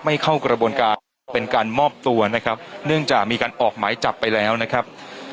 เข้ากระบวนการเป็นการมอบตัวนะครับเนื่องจากมีการออกหมายจับไปแล้วนะครับ